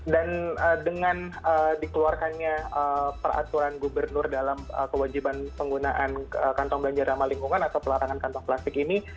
dan dengan dikeluarkannya peraturan gubernur dalam kewajiban penggunaan kantong banjarma lingkungan atau pelarangan kantong plastik ini